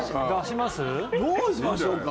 どうしましょうか。